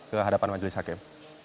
ke hadapan majulis hakem